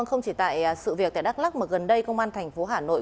không chỉ tại sự việc tại đắk lắc mà gần đây công an thành phố hà nội